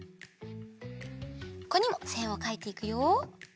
ここにもせんをかいていくよ。